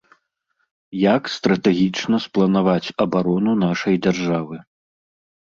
Як стратэгічна спланаваць абарону нашай дзяржавы.